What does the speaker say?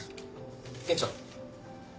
店長。